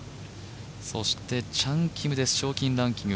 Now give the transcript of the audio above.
チャン・キムです、賞金ランキング、